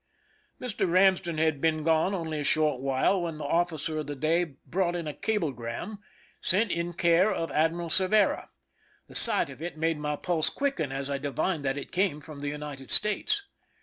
Mr. Ramsden had been gone only a short while when the officer of the day brought in a cablegram, sent in care of Admiral Cervera, The sight of it made my pulse quicken, as I divined that it came from the United States.